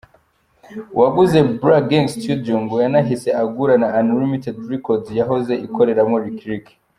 Uwaguze Black Gang studio ngo yanahise agura na Unlimited Records yahoze ikoreramo Licky Licky.